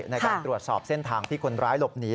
ในการตรวจสอบเส้นทางที่คนร้ายหลบหนี